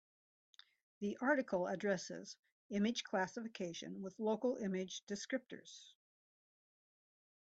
The article addresses image classification with local image descriptors.